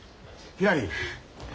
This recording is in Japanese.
ひらり。